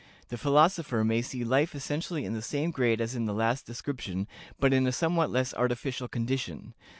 The philosopher may see life essentially in the same grade as in the last description, but in a somewhat less artificial condition.